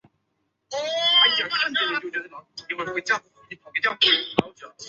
他和他的部众是巴尔喀什湖和卡拉塔尔河之间活动。